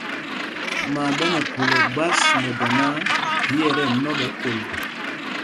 Maa ɓɛ nɛ khul ɛgbas nɛ dɔ náǎ, phī ɛ tí ɛnɔ ɓɛ kol.